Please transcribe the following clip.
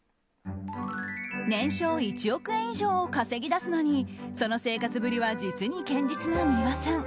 年商１億円以上を稼ぎ出すのにその生活ぶりは実に堅実な三輪さん。